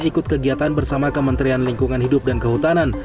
ikut kegiatan bersama kementerian lingkungan hidup dan kehutanan